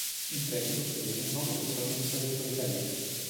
Intrepido, fedele, nobile protagonista del proletariato.